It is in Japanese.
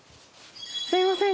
すみません。